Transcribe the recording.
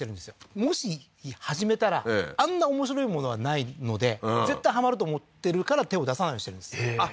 もし始めたらあんな面白いものはないので絶対ハマると思ってるから手を出さないようにしてるんですあっ